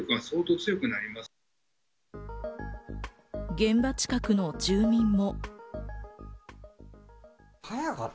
現場近くの住民も。